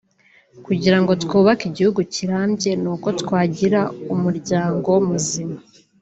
kugira ngo twubake igihugu kirambye ni uko twagira umuryango muzima